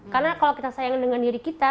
karena kalau kita sayangin dengan diri kita